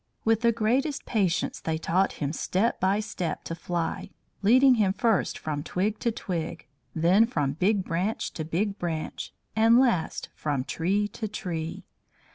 With the greatest patience they taught him step by step to fly, leading him first from twig to twig, then from big branch to big branch, and last from tree to tree.